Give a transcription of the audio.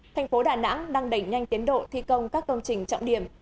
thành phố đà nẵng đang đẩy nhanh tiến độ thi công các công trình trọng điểm